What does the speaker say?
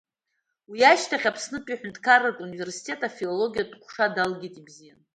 Уи ашьҭахь, Аԥснытәи Аҳәынҭқарратә университет афилологиатә ҟәша далгеит ибзианы.